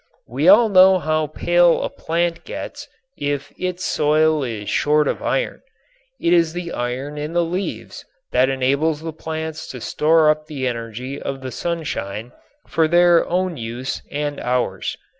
We all know how pale a plant gets if its soil is short of iron. It is the iron in the leaves that enables the plants to store up the energy of the sunshine for their own use and ours.